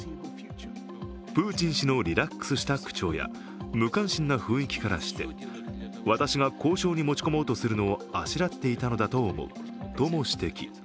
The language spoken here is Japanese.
プーチン氏のリラックスした口調や無関心な雰囲気からして私が交渉に持ち込もうとするのをあしらっていたのだと思うとも指摘。